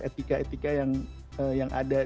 etika etika yang ada